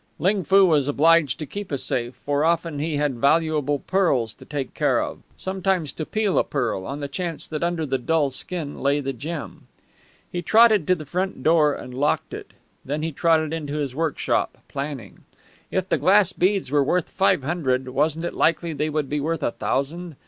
Ling Foo was obliged to keep a safe, for often he had valuable pearls to take care of, sometimes to put new vigour in dying lustre, sometimes to peel a pearl on the chance that under the dull skin lay the gem. He trotted to the front door and locked it; then he trotted into his workshop, planning. If the glass beads were worth five hundred, wasn't it likely they would be worth a thousand?